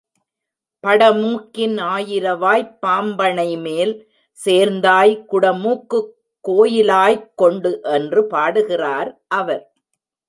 படமூக்கின் ஆயிரவாய்ப் பாம்பணைமேல் சேர்ந்தாய் குடமூக்குக் கோயிலாய்க் கொண்டு என்று பாடுகிறார் அவர்.